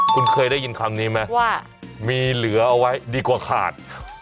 คุณเคยได้ยินคำนี้ไหมว่ามีเหลือเอาไว้ดีกว่าขาด